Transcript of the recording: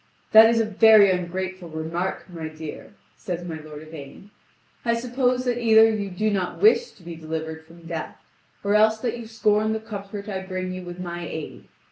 "That is very ungrateful remark, my dear," says my lord Yvain; "I suppose that either you do not wish to be delivered from death, or else that you scorn the comfort I bring you with my aid.